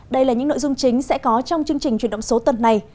đây là những nội dung chính sẽ có trong chương trình chuyển động số tuần này